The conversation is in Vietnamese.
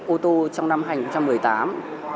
ô tô trong năm hai nghìn một mươi tám